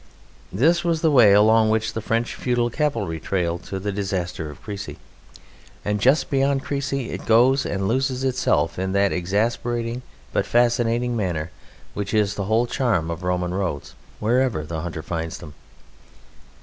This was the way along which the French feudal cavalry trailed to the disaster of Crécy, and just beyond Crécy it goes and loses itself in that exasperating but fascinating manner which is the whole charm of Roman roads wherever the hunter finds them.